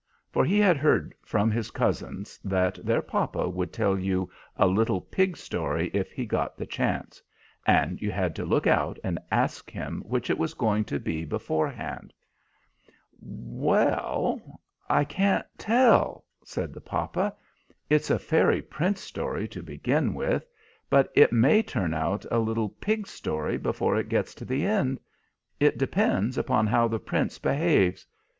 for he had heard from his cousins that their papa would tell you a little pig story if he got the chance; and you had to look out and ask him which it was going to be beforehand. "Well, I can't tell," said the papa. "It's a fairy prince story to begin with, but it may turn out a little pig story before it gets to the end. It depends upon how the Prince behaves.